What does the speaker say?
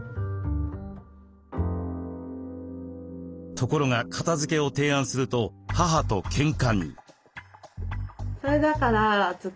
ところが片づけを提案すると母とけんかに。